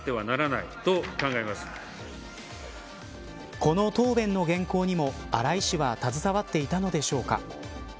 この答弁の原稿にも荒井氏は携わっていたのでしょうか。